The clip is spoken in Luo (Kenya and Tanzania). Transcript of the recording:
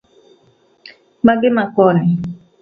Magi ma koni